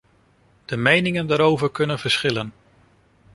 De meningen daarover kunnen verschillen.